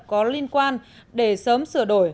có liên quan để sớm sửa đổi